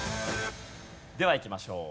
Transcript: ではいきましょう。